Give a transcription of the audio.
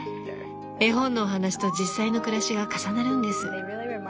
絵本のお話と実際の暮らしが重なるんです。